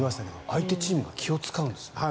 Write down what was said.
相手チームが気を使うんですね。